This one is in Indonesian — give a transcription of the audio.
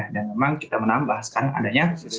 dan memang kita menambahkan adanya